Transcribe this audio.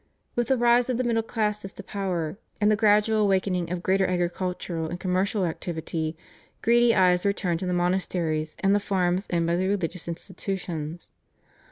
With the rise of the middle classes to power and the gradual awakening of greater agricultural and commercial activity, greedy eyes were turned to the monasteries and the farms owned by the religious institutions.